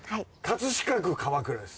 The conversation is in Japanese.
飾区鎌倉です。